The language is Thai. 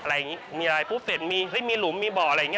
อะไรอย่างนี้มีอะไรมีลุ้มมีบ่ออะไรอย่างนี้